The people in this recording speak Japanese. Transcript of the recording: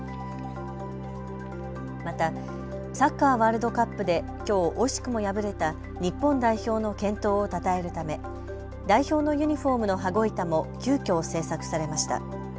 また、サッカーワールドカップできょう惜しくも敗れた日本代表の健闘をたたえるため、代表のユニフォームの羽子板も急きょ制作されました。